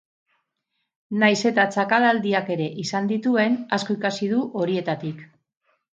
Nahiz eta txakalaldiak ere izan dituen, asko ikasi du horietatik.